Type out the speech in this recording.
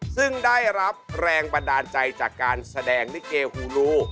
ซึ่งได้รับแรงบันดาลใจจากการแสดงลิเกฮูลู